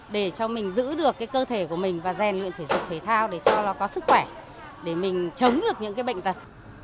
để cho mình giữ được cái cơ thể của mình và rèn luyện thể dục thể thao để cho nó có sức khỏe để mình chống được những bệnh tật